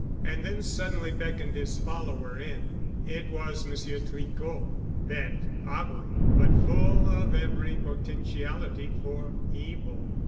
And then suddenly beckoned his follower in. It was Monsieur Tricot, bent, hobbling, but full of every potentiality for evil.